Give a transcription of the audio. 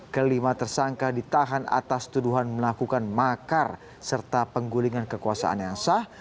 kelima tersangka ditahan atas tuduhan melakukan makar serta penggulingan kekuasaan yang sah